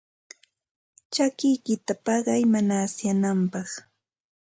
Chakikiyta paqay mana asyananpaq.